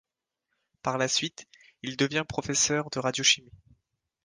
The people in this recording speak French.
Par la suite, il devient professeur de radiochimie.